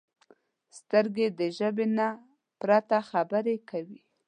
سترګې د ژبې نه پرته خبرې کوي